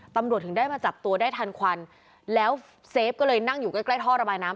ตำรวจถึงได้มาจับตัวได้ทันควันแล้วเซฟก็เลยนั่งอยู่ใกล้ใกล้ท่อระบายน้ำ